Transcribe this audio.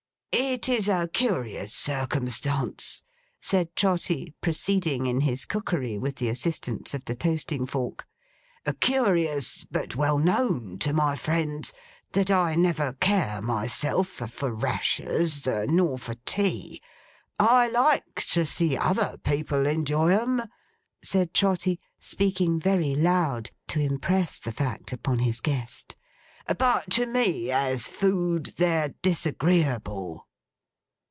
It's a curious circumstance,' said Trotty, proceeding in his cookery, with the assistance of the toasting fork, 'curious, but well known to my friends, that I never care, myself, for rashers, nor for tea. I like to see other people enjoy 'em,' said Trotty, speaking very loud, to impress the fact upon his guest, 'but to me, as food, they're disagreeable.